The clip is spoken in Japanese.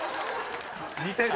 似てる！